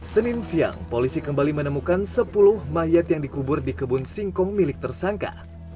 senin siang polisi kembali menemukan sepuluh mayat yang dikubur di kebun singkong milik tersangka